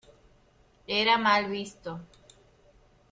Era mal visto.